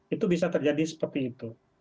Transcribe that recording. itu bisa terjadi seperti itu